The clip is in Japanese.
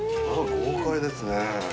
豪快ですね。